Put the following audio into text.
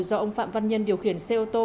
do ông phạm văn nhân điều khiển xe ô tô